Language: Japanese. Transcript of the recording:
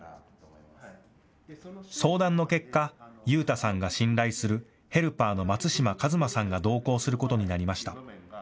相談の結果、悠太さんが信頼するヘルパーの松島和真さんが同行することになりました。